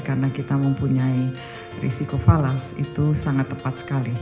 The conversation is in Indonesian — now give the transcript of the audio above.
karena kita mempunyai risiko falas itu sangat tepat sekali